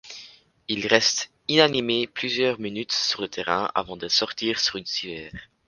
Il reste inanimé plusieurs minutes sur le terrain avant de sortir sur une civière.